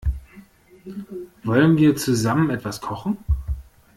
Wollen wir zusammen etwas kochen?